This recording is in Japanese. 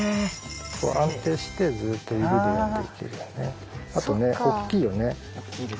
安定してずっと指で読んでいけるよね。大きいです。